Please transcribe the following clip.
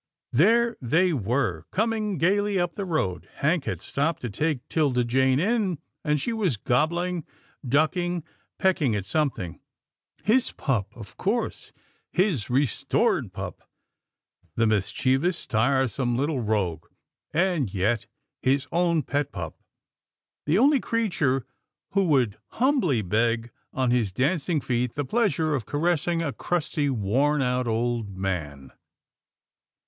There they were — coming gaily up the road. Hank had stopped to take 'Tilda Jane in, and she was gobbling, ducking, pecking at something. His pup of course — his restored pup. The mischievous, tiresome, little rogue, and yet his own pet pup —■ the only creature who would humbly beg on his dancing feet the pleasure of caressing a crusty, worn out, old man.